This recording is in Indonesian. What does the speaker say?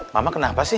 mama kenapa sih